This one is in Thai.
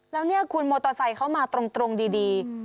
แล้วเนี่ยคุณมอเตอร์ไซค์เขามาตรงดี